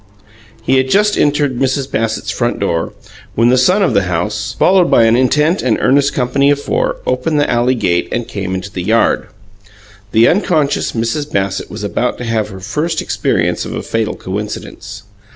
He had just entered Mrs. Bassett's front door, when the son of the house, followed by an intent and earnest company of four, opened the alley gate and came into the yard. The unconscious Mrs. Bassett was about to have her first experience of a fatal coincidence.